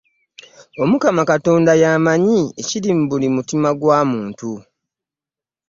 omukama katonda y'amanyi ekiro mu buli mutima gwa muntu.